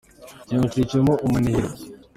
Yungikiranije umunihiro